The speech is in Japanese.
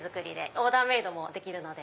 オーダーメイドもできるので。